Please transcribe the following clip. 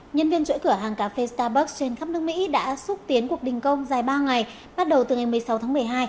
nhân viên chuỗi cửa hàng cà phê starburg trên khắp nước mỹ đã xúc tiến cuộc đình công dài ba ngày bắt đầu từ ngày một mươi sáu tháng một mươi hai